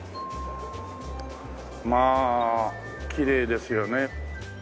まあきれいですよね。